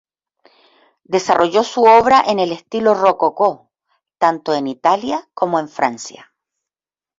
Desarrolló su obra en el estilo Rococó, tanto en Italia como en Francia.